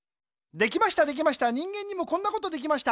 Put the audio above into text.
できましたできました人間にもこんなことできました。